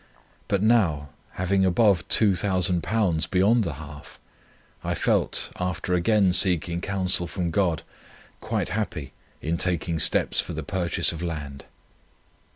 But now, having above Two Thousand Pounds beyond the half, I felt, after again seeking counsel from God, quite happy, in taking steps for the purchase of land.